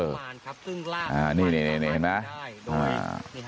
พิกัดนี่นี่เห็นไหม